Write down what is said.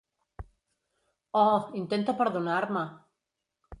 Oh, intenta perdonar-me!